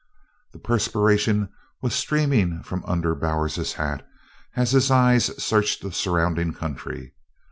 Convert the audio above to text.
The perspiration was streaming from under Bowers's hat as his eyes searched the surrounding country.